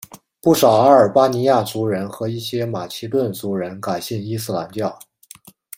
不少阿尔巴尼亚族人和一些马其顿族人改信伊斯兰教。